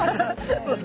そうすね。